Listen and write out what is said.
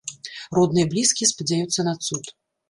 Родныя і блізкія спадзяюцца на цуд.